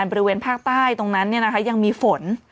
บริเวณภาคใต้ตรงนั้นยังมีฝน